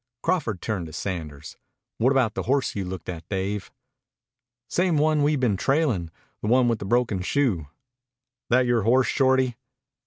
Crawford turned to Sanders. "What about the horse you looked at, Dave?" "Same one we've been trailing. The one with the broken shoe." "That yore horse, Shorty?"